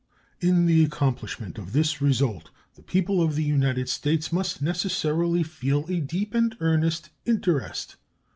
In the accomplishment of this result the people of the United States must necessarily feel a deep and earnest interest.